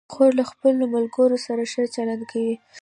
خور له خپلو ملګرو سره ښه چلند کوي.